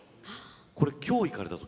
これ今日行かれたと。